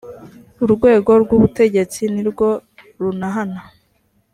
urwego rw’ ubutegetsi nirwo runahana.